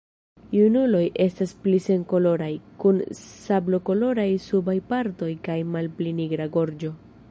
Junuloj estas pli senkoloraj, kun sablokoloraj subaj partoj kaj malpli nigra gorĝo.